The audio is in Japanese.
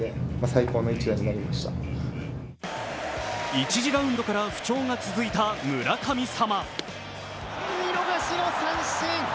１次ラウンドから不調が続いた村神様。